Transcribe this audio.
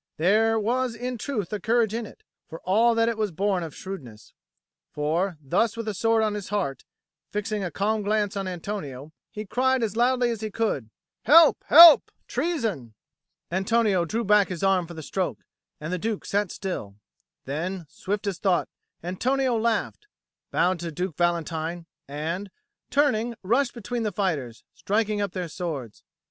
There was in truth a courage in it, for all that it was born of shrewdness. For, thus with the sword on his heart, fixing a calm glance on Antonio, he cried as loudly as he could, "Help, help, treason!" Antonio drew back his arm for the stroke; and the Duke sat still; then, swift as thought, Antonio laughed, bowed to Duke Valentine and, turning, rushed between the fighters, striking up their swords.